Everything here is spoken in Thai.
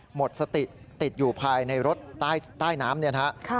หมดสติติดอยู่ภายในรถใต้น้ำเนี่ยนะฮะ